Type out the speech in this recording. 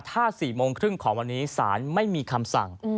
ถ้า๔โมงครึ่งของวันนี้ศาลไม่มีคำสั่ง